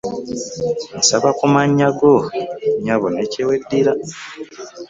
Nsaba kumanya ku mannya go nnyabo ne kye weddira.